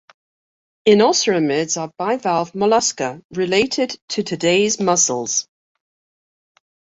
Inoceramids are bivalve Mollusca related to today's mussels.